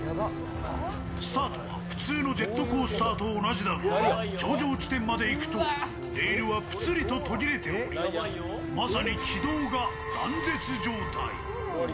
スタートは普通のジェットコースターと同じだが、頂上地点まで行くと、レールはプツリと途切れてまさに軌道が断絶状態。